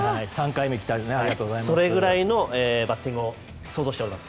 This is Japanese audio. それぐらいのバッティングを想像しています。